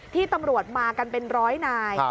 ที่ตำรวจมากันเป็นร้อยนาย